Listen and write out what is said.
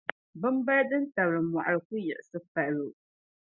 Bimbali din tabili mɔɣili ku yaɣisi palibu.